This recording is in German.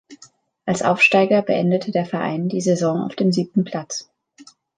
Als Aufsteiger beendete der Verein die Saison auf dem siebten Platz.